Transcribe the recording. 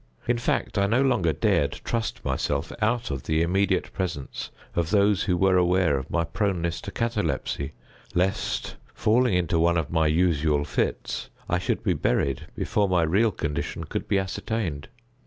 In fact, I no longer dared trust myself out of the immediate presence of those who were aware of my proneness to catalepsy, lest, falling into one of my usual fits, I should be buried before my real condition could be ascertained.